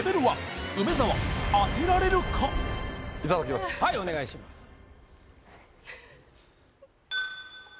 はいお願いします